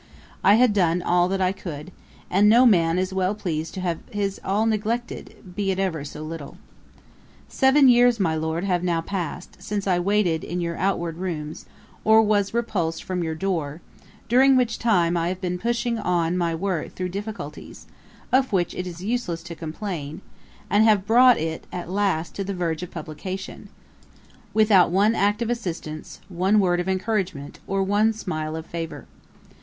I had done all that I could; and no man is well pleased to have his all neglected, be it ever so little. 'Seven years, my Lord, have now past, since I waited in your outward rooms, or was repulsed from your door; during which time I have been pushing on my work through difficulties, of which it is useless to complain, and have brought it, at last, to the verge of publication, without one act of assistance, one word of encouragement, or one smile of favour.